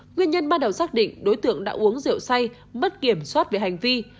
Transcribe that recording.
nguyên nhân ban đầu xác định đối tượng đã uống rượu say mất kiểm soát về hành vi